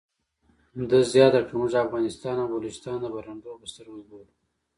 ده زیاته کړه موږ افغانستان او بلوچستان د برنډو په سترګه ګورو.